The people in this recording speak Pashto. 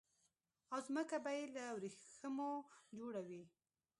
او ځمکه به يي له وريښمو جوړه وي